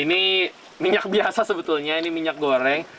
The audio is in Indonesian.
ini minyak biasa sebetulnya ini minyak goreng